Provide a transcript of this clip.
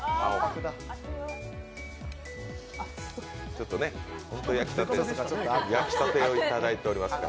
ちょっと焼きたてをいただいておりますが。